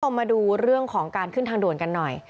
มาดูเรื่องของการขึ้นทางด่วนกันหน่อย